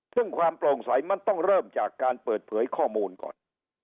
ซึ่งความโปร่งใสมันต้องเริ่มจากการเปิดเผยข้อมูลก่อน